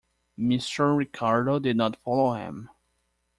Mr. Ricardo did not follow him.